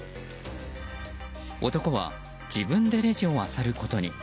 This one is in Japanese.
男は自分でレジをあさることに。